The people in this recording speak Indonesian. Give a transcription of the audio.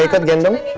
mau ikut gendong